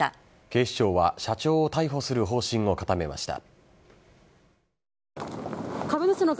警視庁は社長を逮捕する方針を固めました。